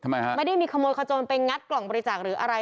ไม่ได้มีขโมยขจรไปงัดกล่องบริจาคหรืออะไร